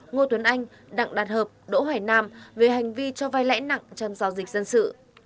ngô tuấn anh đặng đạt hợp đỗ hoài nam về hành vi cho vai lãi nặng trong giao dịch dân sự